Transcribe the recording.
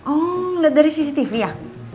oh dari cctv ya